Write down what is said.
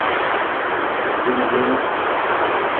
Dindiin.